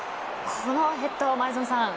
このヘッドを前園さん